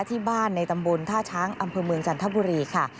ที่บ้านในตำบลท่าช้างอำเภอเมืองจันทบุรีค่ะ